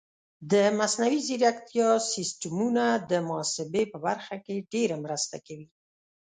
د مصنوعي ځیرکتیا سیستمونه د محاسبې په برخه کې ډېره مرسته کوي.